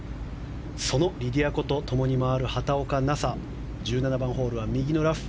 そのリディア・コと共に回る畑岡奈紗、１７番ホールは右のラフ。